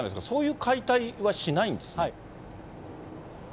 そういう解体はしないんですね。